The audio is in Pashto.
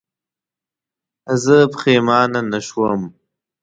زه پښېمانه نه شوم.